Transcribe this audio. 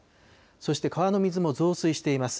そして川の水も増水しています。